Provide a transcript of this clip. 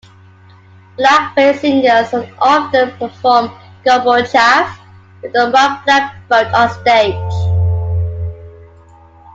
Blackface singers would often perform "Gumbo Chaff" with a mock flatboat on stage.